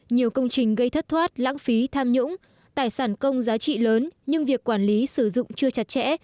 nhiều công trình gây thất thoát lãng phí tham nhũng tài sản công giá trị lớn nhưng việc quản lý sử dụng chưa chặt chẽ